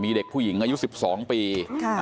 มีเด็กผู้หญิงนี้อายุสิบสองปีครับ